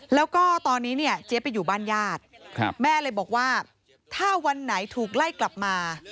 แล้วก็ตอนนี้เนี่ยเจี๊ยบไปอยู่บ้านญาติแม่เลยบอกว่าถ้าวันไหนถูกไล่กลับมา